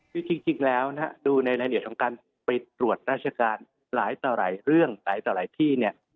คือจริงแล้วนะฮะดูในรายละเอียดของการไปตรวจราชการหลายต่อหลายเรื่องหลายต่อหลายที่เนี่ย